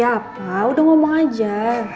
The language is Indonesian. tapi apa udah ngomong aja